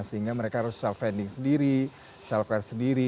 sehingga mereka harus self vending sendiri self care sendiri